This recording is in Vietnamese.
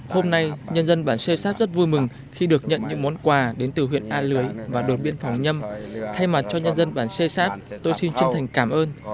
hôm nay nhân dân bản xê xáp rất vui mừng khi được nhận những món quà đến từ huyện a lưới và đồn biên phòng nhâm thay mặt cho nhân dân bản xê xáp tôi xin chân thành cảm ơn